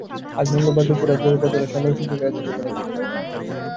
আজ মঙ্গলবার দুপুরে রাজৈর উপজেলার শানেরপাড় শ্রীনদী সড়কে এ দুর্ঘটনা ঘটে।